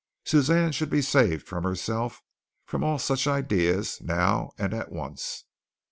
Suzanne should be saved from herself, from all such ideas now and at once.